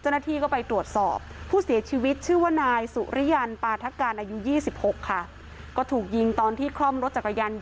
เจ้าหน้าที่ก็ไปตรวจสอบผู้เสียชีวิตชื่อว่านายสุริยันปาทการอายุ๒๖ค่ะก็ถูกยิงตอนที่คล่อมรถจักรยานยนต์